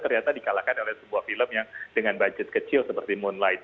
ternyata dikalahkan oleh sebuah film yang dengan budget kecil seperti moon light